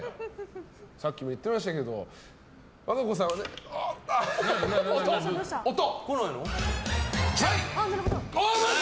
さっきも言ってましたけど和歌子さんは。あっ、音！